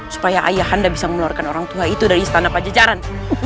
supaya ayah anda bisa mengeluarkan orang tua itu dari istana pajajaran